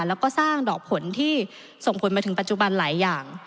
แล้วก็สร้างดอกผลที่ส่งผลมาถึงปัจจุบันหลายอย่าง